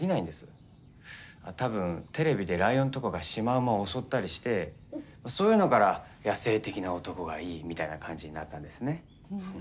多分テレビでライオンとかがシマウマを襲ったりしてそういうのから野性的な男がいいみたいな感じになったんですね。